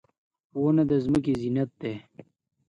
• ونه د ځمکې زینت دی.